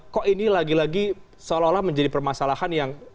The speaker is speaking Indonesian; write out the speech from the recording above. kok ini lagi lagi seolah olah menjadi permasalahan yang